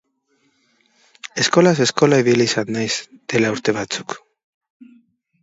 Eskolaz eskola ibili izan naiz duela urte batzuk.